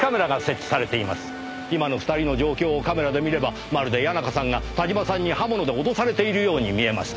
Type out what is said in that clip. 今の２人の状況をカメラで見ればまるで谷中さんが田島さんに刃物で脅されているように見えます。